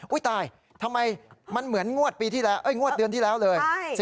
ตายทำไมมันเหมือนงวดปีที่แล้วงวดเดือนที่แล้วเลย